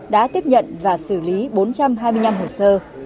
đã tiếp nhận và xử lý bốn trăm hai mươi năm hồ sơ